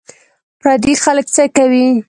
پردي خلک څه کوې